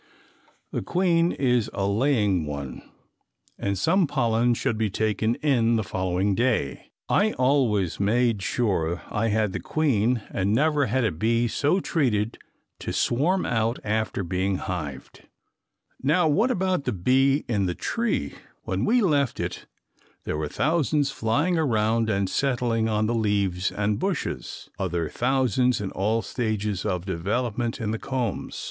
The queen is a laying one and some pollen should be taken in the following day. I always made sure I had the queen and never had a bee so treated to swarm out after being hived. Now what about the bee in the tree? When we left it there were thousands flying around and settling on the leaves and bushes, other thousands in all stages of development in the combs.